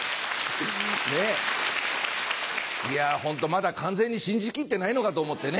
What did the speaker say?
いやぁホントまだ完全に信じ切ってないのかと思ってね。